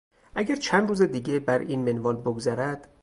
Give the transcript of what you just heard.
اگر چند روز دیگر بر این منوال بگذرد،...